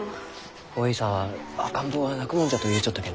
おえいさんは赤ん坊は泣くもんじゃと言うちょったけんど。